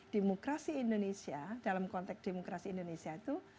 demokrasi indonesia dalam konteks demokrasi indonesia itu